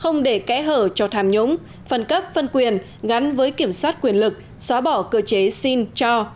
nhúng phân cấp phân quyền ngắn với kiểm soát quyền lực xóa bỏ cơ chế xin cho